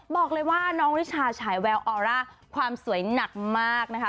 บอกเลยว่าน้องริชาฉายแววออร่าความสวยหนักมากนะคะ